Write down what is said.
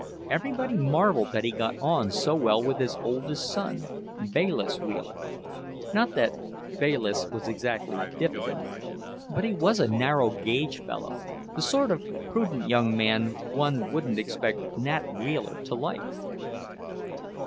Everybody marveled that he got on so well with his oldest son, Bayliss Wheeler. Not that Bayliss was exactly diffident, but he was a narrow gauge fellow, the sort of prudent young man one wouldn't expect Nat Wheeler to like.